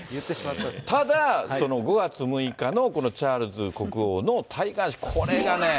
ただ５月６日のこのチャールズ国王の戴冠式、これがね。